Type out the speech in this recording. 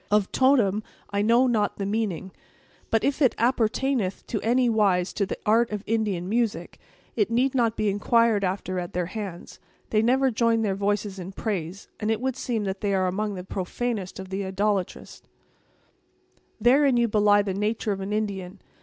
Of totem, I know not the meaning; but if it appertaineth in any wise to the art of Indian music, it need not be inquired after at their hands. They never join their voices in praise, and it would seem that they are among the profanest of the idolatrous." "Therein you belie the natur' of an Indian.